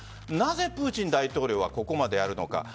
なぜプーチン大統領はここまでやるのか。